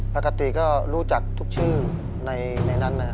ปกติก็รู้จักทุกชื่อในนั้นนะครับ